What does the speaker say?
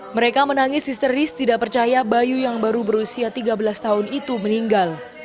mereka menangis histeris tidak percaya bayu yang baru berusia tiga belas tahun itu meninggal